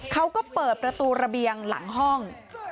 เขาก็เปิดประตูระเบียงหลังห้อง